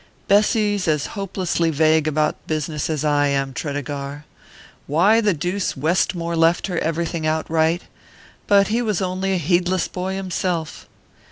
"Bessy's as hopelessly vague about business as I am, Tredegar. Why the deuce Westmore left her everything outright but he was only a heedless boy himself."